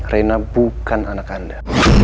rena bukan anak anda